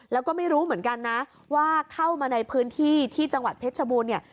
แล้วก็ไม่รู้เหมือนกันนะว่าเข้ามาในพื้นที่ที่จังหวัดเพชรชบูรณ์เนี่ย